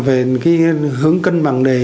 về cái hướng cân bằng đề